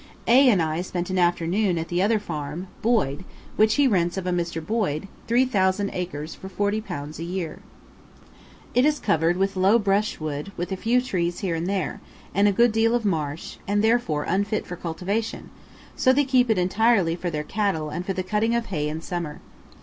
A and I spent an afternoon at the other farm, "Boyd," which he rents of a Mr. Boyd, three thousand acres for 40 pounds a year. It is covered with low brushwood with a few trees here and there, and a good deal of marsh, and therefore unfit for cultivation, so they keep it entirely for their cattle and for the cutting of hay in summer.